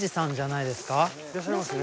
いらっしゃいますね。